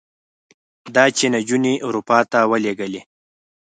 ده چې نجونې اروپا ته ولېږلې.